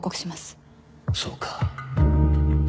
そうか